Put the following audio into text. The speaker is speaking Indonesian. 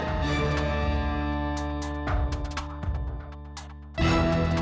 kayaknya itu alex deh